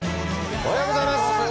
おはようございます。